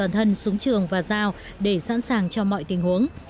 cảnh sát toàn thân súng trường và dao để sẵn sàng cho mọi tình huống